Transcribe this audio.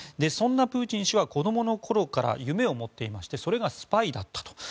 そんなプーチン氏は子どもの頃から夢を持っていてそれがスパイだったと。